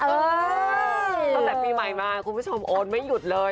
ตั้งแต่ปีใหม่มาคุณผู้ชมโอนไม่หยุดเลย